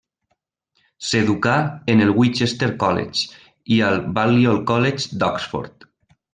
S'educà en el Winchester College i al Balliol College d'Oxford.